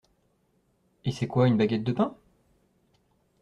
Et c’est quoi, une baguette de pain?